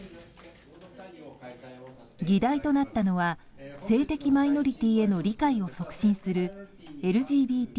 議題となったのは性的マイノリティーへの理解を促進するＬＧＢＴ